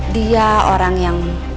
dia orang yang